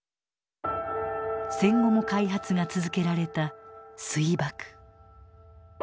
戦後も開発が続けられた「水爆」。